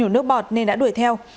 bỏ bọt nên đã đuổi theo